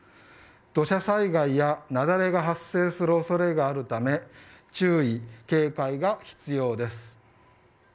土砂災害や雪崩が発生する恐れがあるため注意、警戒が必要です。